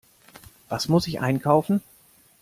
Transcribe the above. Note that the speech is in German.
Was muss ich einkaufen?